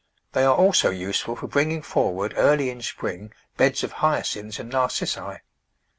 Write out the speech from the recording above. They are also useful for bringing forward, early in spring, beds of Hyacinths and Narcissi.